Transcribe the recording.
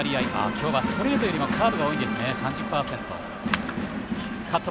今日はストレートよりもカーブが多いんですね、３０％。